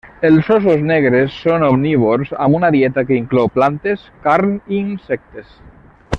Els óssos negres són omnívors amb una dieta que inclou plantes, carn i insectes.